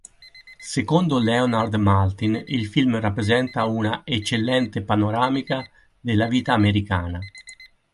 Secondo Leonard Maltin il film rappresenta una "eccellente panoramica della vita americana".